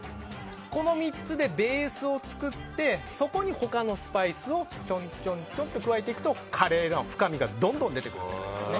この３つでベースを作ってそこに他のスパイスをちょんちょんと加えていくとカレーの深みがどんどん出ていくわけですね。